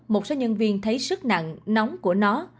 một số nhân viên thấy sức nặng nóng của nó